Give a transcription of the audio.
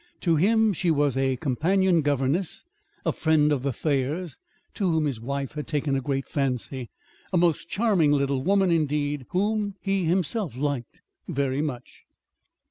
To him she was a companion governess, a friend of the Thayers', to whom his wife had taken a great fancy a most charming little woman, indeed, whom he himself liked very much.